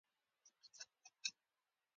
مينې يوه ماکسي او اوږده قهويي رنګه لمن اغوستې وه.